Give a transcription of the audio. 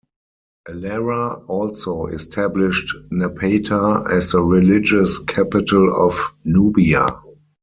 Alara also established Napata as the religious capital of Nubia.